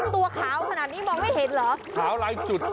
ตัวขาวขนาดนี้มองไม่เห็นเหรอขาวลายจุด